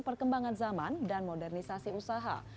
perkembangan zaman dan modernisasi usaha